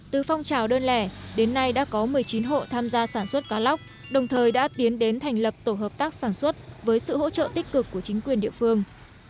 từ phong trào đơn lẻ đến nay đã có một mươi chín hộ tham gia sản xuất cá lóc đồng thời đã tiến đến thành lập tổ hợp tác sản xuất với sự hỗ trợ tích cực của chính quyền địa phương